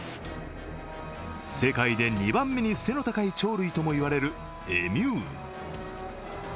世界で２番目に背の高い鳥類ともいわれるエミュー。